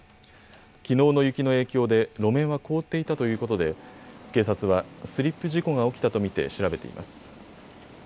きのうの雪の影響で路面は凍っていたということで警察はスリップ事故が起きたと見て調べています。